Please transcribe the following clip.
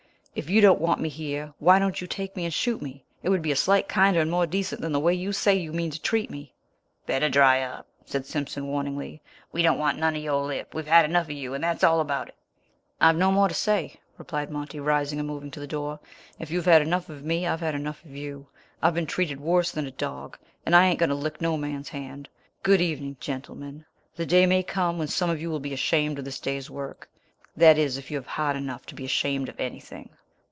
If you don't want me here why don't you take me and shoot me? It would be a sight kinder and more decent than the way you say you mean to treat me." "Better dry up!" said Simpson, warningly. "We don't want none of your lip. We've had enough of you, and that's all about it." "I've no more to say," replied Monty, rising and moving to the door. "If you've had enough of me I've had enough of you. I've been treated worse than a dog, and I ain't going to lick no man's hand. Good evening, gentlemen. The day may come when some of you will be ashamed of this day's work, that is if you've heart enough to be ashamed of anything."